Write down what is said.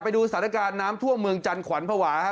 ไปดูสถานการณ์น้ำท่วมเมืองจันทร์ขวัญภาวะฮะ